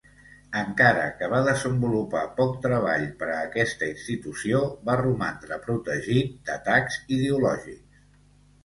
Encara que va desenvolupar poc treball per a aquesta institució, va romandre protegit d'atacs ideològics.